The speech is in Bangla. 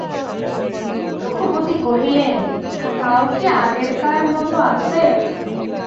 রঘুপতি কহিলেন, তাও কি আগেকার মতো আছে?